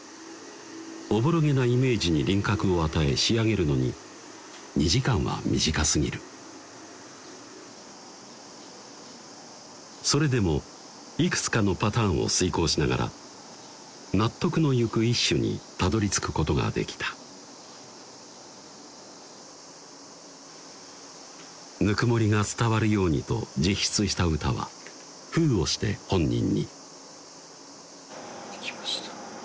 おぼろげなイメージに輪郭を与え仕上げるのに２時間は短すぎるそれでもいくつかのパターンを推敲しながら納得のゆく一首にたどりつくことができたぬくもりが伝わるようにと自筆した歌は封をして本人に出来ました